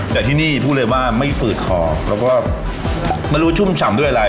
แต่ที่นี่พูดเลยว่าไม่ฝืดคอแล้วก็ไม่รู้ชุ่มฉ่ำด้วยอะไร